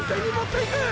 いく